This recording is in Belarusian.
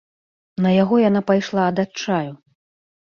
На яго яна пайшла ад адчаю.